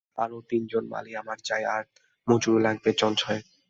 আরো তিনজন মালী আমার চাই, আর মজুর লাগবে জন ছয়েক।